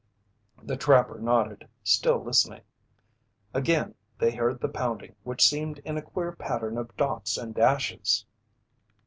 The trapper nodded, still listening. Again they heard the pounding which seemed in a queer pattern of dots and dashes.